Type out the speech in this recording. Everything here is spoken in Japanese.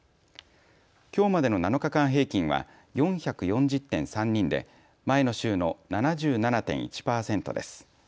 きょうまでの７日間平均は４４０．３人で前の週の７７．１％です。